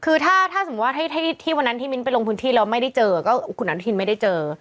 คือถ้าสมมุติว่าที่วันนั้นที่มินทร์ไปโรงพื้นที่แล้วไม่ได้เจอ